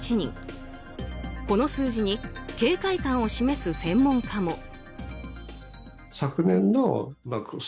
この数字に警戒感を示す専門家も。